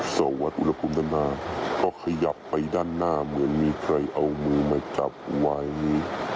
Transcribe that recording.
ส่องวัดอุณหภูมินั้นมาก็ขยับไปด้านหน้าเหมือนมีใครเอามือมาจับไว้